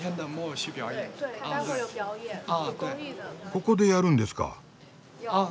ここでやるんですか？